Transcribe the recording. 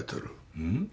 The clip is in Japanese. うん？